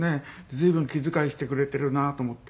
随分気遣いしてくれてるなと思って。